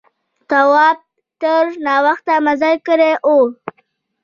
تواب تر ناوخته مزل کړی و.